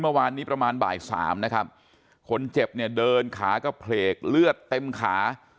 เมื่อวานนี้ประมาณ๓นาทีนะครับคนเจ็บเดินขาก็เพลกเลือดเต็มขา